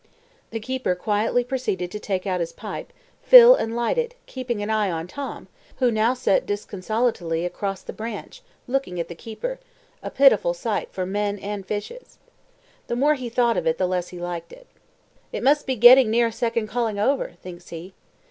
The keeper quietly proceeded to take out his pipe, fill, and light it, keeping an eye on Tom, who now sat disconsolately across the branch, looking at the keeper a pitiful sight for men and fishes. The more he thought of it the less he liked it. "It must be getting near second calling over," thinks he.